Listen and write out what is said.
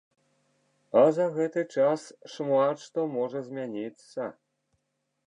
А за гэты час шмат што можа змяніцца.